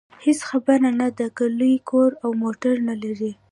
هېڅ خبره نه ده که لوی کور او موټر نلرئ.